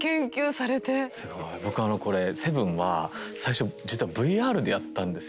僕あのこれ「７」は最初実はＶＲでやったんですよ。